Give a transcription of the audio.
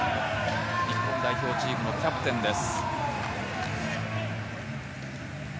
日本代表チームのキャプテンです。